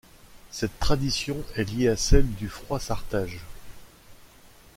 Cette tradition est liée à celle du froissartage.